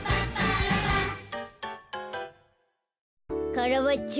カラバッチョ